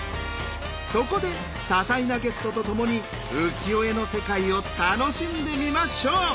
そこで多彩なゲストとともに浮世絵の世界を楽しんでみましょう！